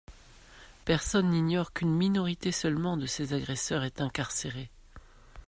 Personne n’ignore qu’une minorité seulement de ces agresseurs est incarcérée.